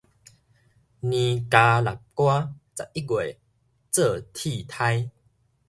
尼加拉瓜十一月做鐵颱